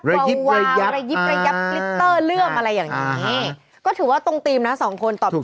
วาวาระยิบระยับกลิตเตอร์เลื่อมอะไรอย่างนี้ก็ถือว่าตรงธีมนะสองคนตอบถูก